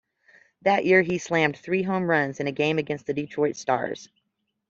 That year he slammed three home runs in a game against the Detroit Stars.